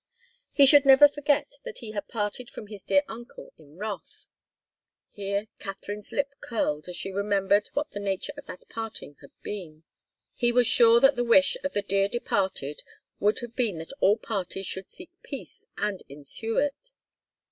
He should never forget that he had parted from his dear uncle in wrath. Here Katharine's lip curled as she remembered what the nature of that parting had been. He was sure that the wish of the dear departed would have been that all parties should seek peace and ensue it.